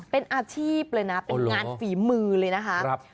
เป็นอาชีพเลยนะเป็นงานฝีมือเลยนะคะ